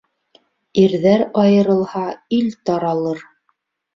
Ирҙәр айырылһа, ил таралыр.